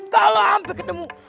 kalau sampe ketemu